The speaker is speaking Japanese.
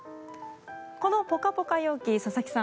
このポカポカ陽気佐々木さん